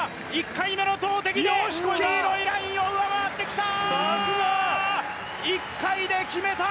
１回目の投てきで黄色いラインを上回ってきた。